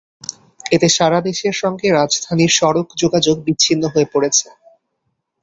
এতে সারা দেশের সঙ্গে রাজধানীর সড়ক যোগাযোগ বিচ্ছিন্ন হয়ে পড়েছে।